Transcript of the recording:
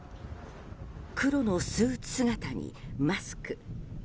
黒のスーツ姿にマスク。